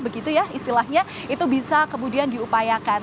begitu ya istilahnya itu bisa kemudian diupayakan